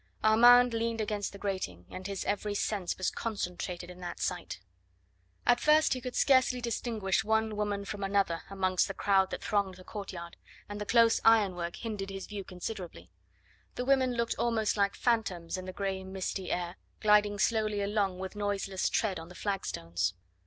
Armand leaned against the grating, and his every sense was concentrated in that of sight. At first he could scarcely distinguish one woman from another amongst the crowd that thronged the courtyard, and the close ironwork hindered his view considerably. The women looked almost like phantoms in the grey misty air, gliding slowly along with noiseless tread on the flag stones.